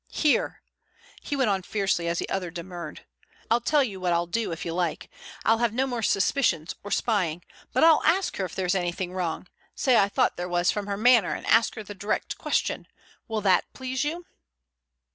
Here," he went on fiercely as the other demurred, "I'll tell you what I'll do if you like. I'll have no more suspicions or spying, but I'll ask her if there is anything wrong: say I thought there was from her manner and ask her the direct question. Will that please you?"